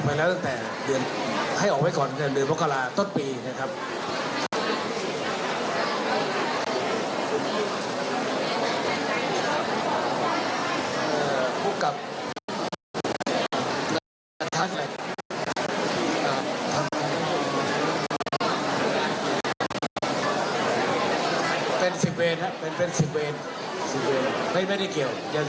เป็นสิบเวนครับเป็นเป็นสิบเวนสิบเวนไม่ไม่ได้เกี่ยว